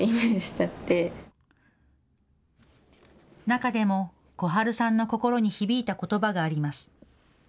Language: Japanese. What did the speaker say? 中でも小春さんの心に響いたことばがあります。